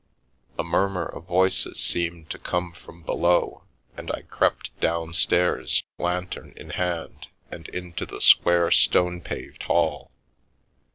A murmur of voices seemed to come from below, and I crept downstairs, lantern in hand, and into the square, stone paved hall.